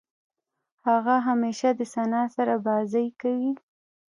هغه همېشه د ثنا سره بازۍ کوي.